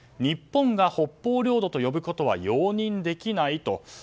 日本が北方領土と呼ぶことは容認できないと。